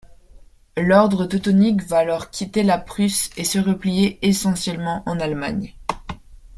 L’ordre teutonique va alors quitter la Prusse et se replier essentiellement en Allemagne.